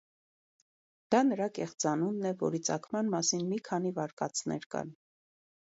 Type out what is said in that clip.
Դա նրա կեղծանունն է, որի ծագման մասին մի քանի վարկածներ կան։